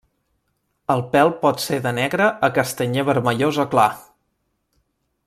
El pèl pot ser de negre a castanyer vermellós o clar.